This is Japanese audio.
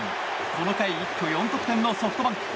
この回、一挙４得点のソフトバンク。